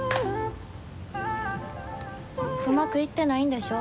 うまくいってないんでしょ？